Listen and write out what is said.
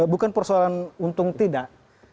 bukan persoalan untung tidak